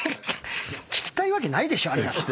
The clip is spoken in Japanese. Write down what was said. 聞きたいわけないでしょ有田さん。